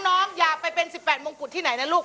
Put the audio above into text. น้องอยากไปเป็น๑๘มงกุฎที่ไหนนะลูก